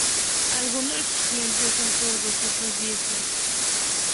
Algunos de sus clientes son zurdos; otros, diestros.